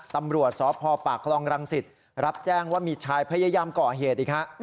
ตำรวจสพปากคลองรังสิตรับแจ้งว่ามีชายพยายามก่อเหตุอีกฮะ